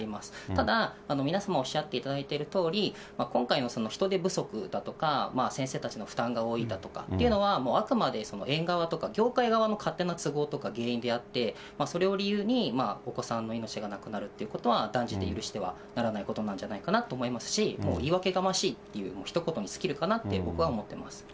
ただ、皆様おっしゃっていただいてるとおり、今回のその人手不足だとか、先生たちの負担が多いだとかっていうのは、もうあくまで園側とか業界側の勝手な都合とか原因であって、それを理由にお子さんの命が亡くなるということは、断じて許してはならないことなんじゃないかなと思いますし、言い訳がましいっていうひと言に尽きるかなって、僕は思ってます。